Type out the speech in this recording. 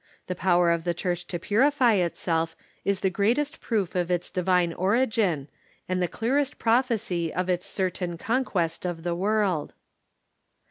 The ])o\ver of the Church to purify itself is the greatest proof of its divine origin, and the clearest prophecy of its certain conquest of the world.